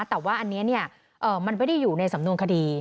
แต่ว่าอันนี้มันไม่ได้อยู่ในสำนวนคดี